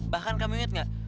bahkan kamu inget gak